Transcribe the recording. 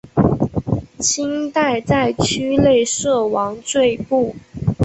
清代在区内设王赘步。